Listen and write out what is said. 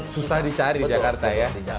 susah dicari jakarta ya